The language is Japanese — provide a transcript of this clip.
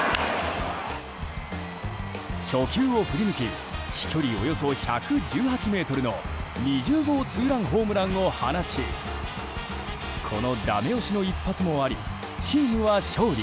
初球を振りぬき飛距離およそ１１８ｍの２０号ツーランホームランを放ちこのだめ押しの一発もありチームは勝利。